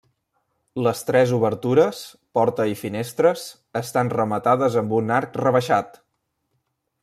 Les tres obertures, porta i finestres, estan rematades amb un arc rebaixat.